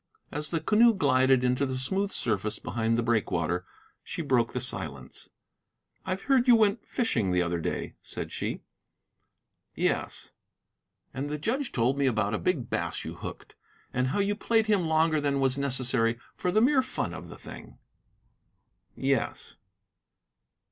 As the canoe glided into the smooth surface behind the breakwater, she broke the silence. "I heard you went fishing the other day," said she. "Yes." "And the judge told me about a big bass you hooked, and how you played him longer than was necessary for the mere fun of the thing." "Yes."